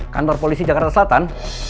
kantor polisi jakarta selatan